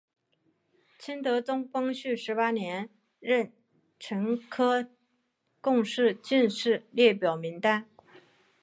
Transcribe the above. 清德宗光绪十八年壬辰科贡士进士列表名单。